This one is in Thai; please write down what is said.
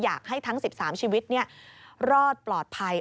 อยากให้ทั้งสิบสามชีวิตเหลือออดปลอดภัย